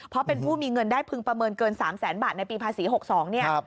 เพราะเป็นผู้มีเงินได้พึงประเมินเกิน๓แสนบาทในปีภาษี๖๒เนี่ย